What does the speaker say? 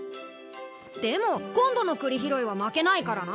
でも今度のクリ拾いは負けないからな。